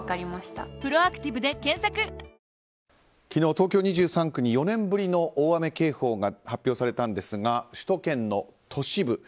昨日、東京２３区に４年ぶりの大雪警報が発表されたんですが首都圏の都市部